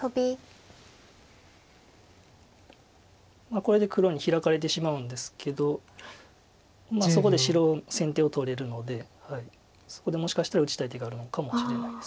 これで黒にヒラかれてしまうんですけどそこで白先手を取れるのでそこでもしかしたら打ちたい手があるのかもしれないです。